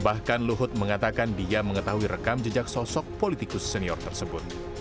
bahkan luhut mengatakan dia mengetahui rekam jejak sosok politikus senior tersebut